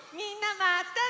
またね！